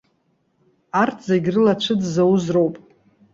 Арҭ зегь рыла ацәыӡ зауз роуп.